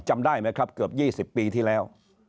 จำได้ไหมครับเกือบ๒๐ปีที่แล้ว